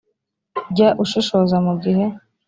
jya ushishoza mu gihe